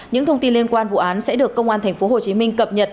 những thông tin liên quan vụ án sẽ được công an tp hcm cập nhật